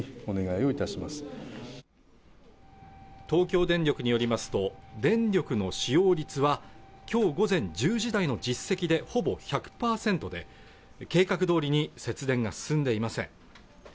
東京電力によりますと電力の使用率は今日午前１０時台の実績でほぼ１００％で計画どおりに節電が進んでいません